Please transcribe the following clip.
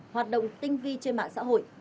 hoạt động tinh vi trên mạng xã hội